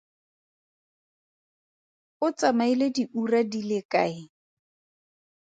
O tsamaile diura di le kae?